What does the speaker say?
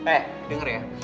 eh denger ya